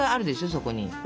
そこに。